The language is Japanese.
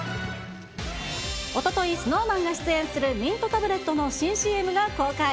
おととい、ＳｎｏｗＭａｎが出演するミントタブレットの新ＣＭが公開。